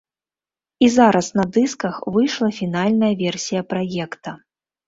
І зараз на дысках выйшла фінальная версія праекта.